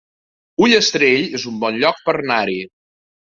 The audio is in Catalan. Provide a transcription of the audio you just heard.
Ullastrell es un bon lloc per anar-hi